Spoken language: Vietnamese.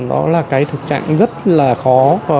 đó là cái thực trạng rất là khó